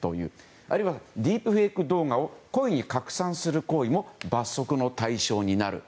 あるいはディープフェイク動画を故意に拡散する行為も罰則の対象になる。